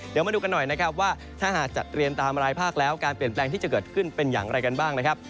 เดี๋ยวมาดูกันหน่อยนะครับว่าถ้าหากจัดเรียงตามรายภาคแล้วการเปลี่ยนแปลงที่จะเกิดขึ้นเป็นอย่างไรกันบ้างนะครับ